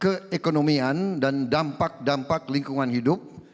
keekonomian dan dampak dampak lingkungan hidup